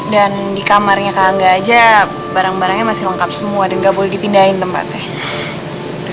dan di kamarnya kak angga aja barang barangnya masih lengkap semua dan nggak boleh dipindahin tempatnya